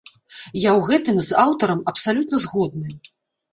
Я ў гэтым з аўтарам абсалютна згодны.